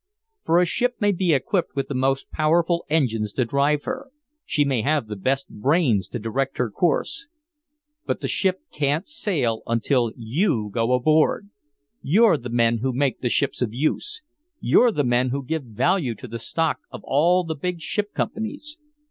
"For a ship may be equipped with the most powerful engines to drive her she may have the best brains to direct her course but the ship can't sail until you go aboard! You're the men who make the ships of use, you're the men who give value to the stock of all the big ship companies!